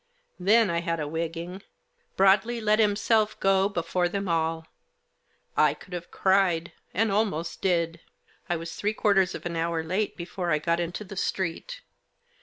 Then I had a wigging. Broadley let himself go, before them all. I could have cried — and almost did. I was three quarters of an hour late before I got into the street.